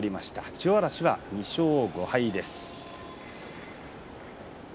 千代嵐は２勝５敗です。